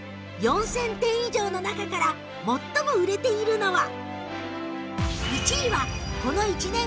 ４０００点以上の中から最も売れているのは